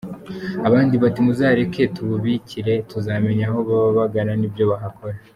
" Abandi bati "Muzareke tububikire tuzamenya aho baba bagana n’ibyo bahakora.